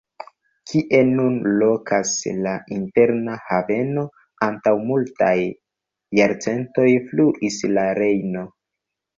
Kie nun lokas la Interna Haveno, antaŭ multaj jarcentoj fluis la Rejno.